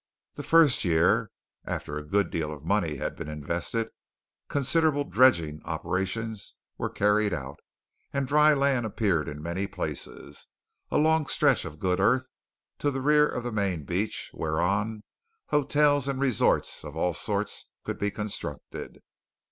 The first year, after a good deal of money had been invested, considerable dredging operations were carried out, and dry land appeared in many places a long stretch of good earth to the rear of the main beach whereon hotels and resorts of all sorts could be constructed.